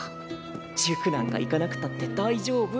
塾なんか行かなくたって大丈夫。